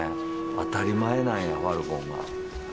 当たり前なんやファルコンが。